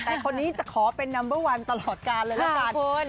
แต่คนนี้จะขอเป็นนัมเบอร์วันตลอดกาลเลยละกัน